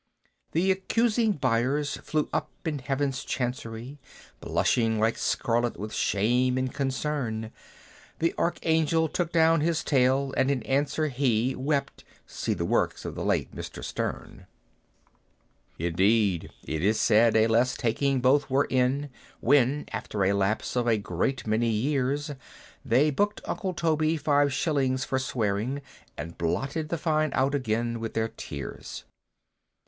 The Accusing Byers "flew up to Heaven's Chancery," Blushing like scarlet with shame and concern; The Archangel took down his tale, and in answer he Wept (see the works of the late Mr. Sterne). Indeed, it is said, a less taking both were in When, after a lapse of a great many years, They booked Uncle Toby five shillings for swearing, And blotted the fine out again with their tears!